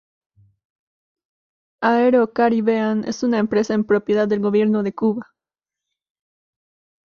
Aero Caribbean es una empresa en propiedad del Gobierno de Cuba.